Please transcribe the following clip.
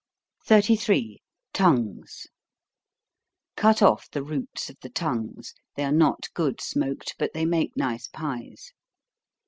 33. Tongues. Cut off the roots of the tongues, they are not good smoked, but they make nice pies.